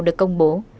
được công bố